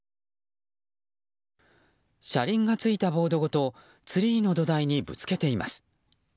車輪がついたボードごとツリーの土台にぶつけています。